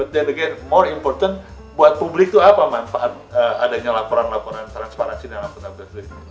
tapi lagi lagi lebih penting buat publik itu apa manfaat adanya laporan laporan transparansi dan apatabel